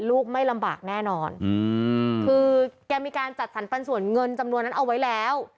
ลูกไม่ลำบากแน่นอนอืมคือแกมีการจัดสรรปันส่วนเงินจำนวนนั้นเอาไว้แล้ว